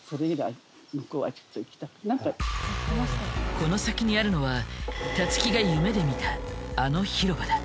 この先にあるのはたつきが夢で見たあの広場だ。